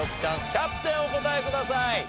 キャプテンお答えください。